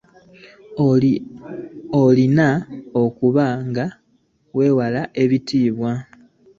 Olina okuba nga weewa ekitiibwa.